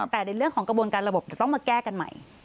แต่ในเรื่องของกระบวนการระบบจะต้องมาแก้กันใหม่